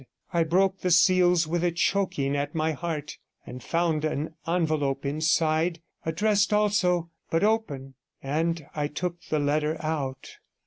I broke the seals with a choking at my heart, and found an envelope inside, addressed also, but open, and I took the letter out.